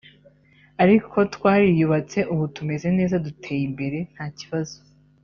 ariko twariyubatse ubu tumeze neza duteye imbere nta kibazo